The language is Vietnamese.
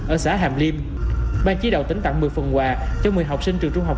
ở xã hàm liêm ban chí đạo tỉnh tặng một mươi phần quà cho một mươi học sinh trường trung học